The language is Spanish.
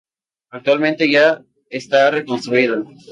Actualmente, ya está reconstruido.